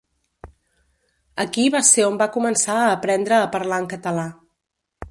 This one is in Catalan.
Aquí va ser on va començar a aprendre a parlar en català.